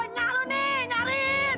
aduh nyalu nih nyarin